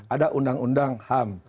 ada undang undang ham